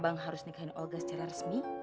abang harus nikahin olga secara resmi